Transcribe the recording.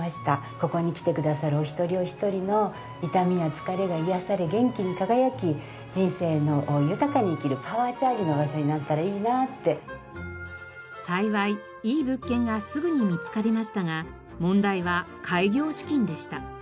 ここに来てくださるお一人お一人の痛みや疲れが癒やされ元気に輝き幸いいい物件がすぐに見つかりましたが問題は開業資金でした。